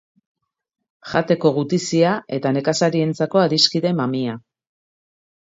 Jateko gutizia eta nekazariarentzako adiskide mamia.